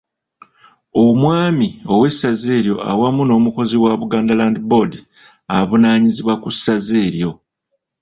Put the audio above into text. Omwami ow'Essaza eryo awamu n'omukozi wa Buganda Land Board avunaanyizibwa ku Ssaza eryo.